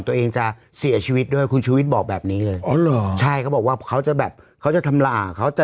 ตัวเองจะเสียชีวิตด้วยคุณชูวิทย์บอกแบบนี้เลยใช่เขาบอกว่าเขาจะแบบเขาจะทำลาเขาจะ